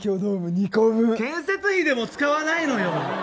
建設費でも使わないのよ。